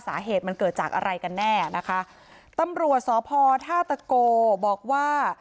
สาเหตุมันเกิดจากอะไรกันแน่นะคะตำรวจสพท่าตะโกบอกว่า